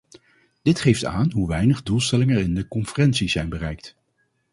Dit geeft aan hoe weinig doelstellingen er in de conferentie zijn bereikt.